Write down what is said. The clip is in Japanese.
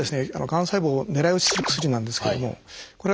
がん細胞を狙い撃ちする薬なんですけどもこれが使われた。